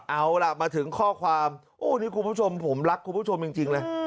เอาล่ะมาถึงข้อความโอ้นี่คุณผู้ชมผมรักคุณผู้ชมจริงเลย